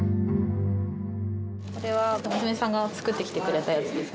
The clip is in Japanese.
これは、娘さんが作ってきてくれたやつです。